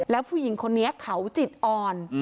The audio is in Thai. แล้วผู้หญิงคนนี้เขาจิตอ่อน